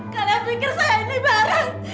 kalian pikir saya ini barang